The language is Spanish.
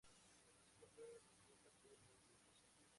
La música fue compuesta por Los Dinos.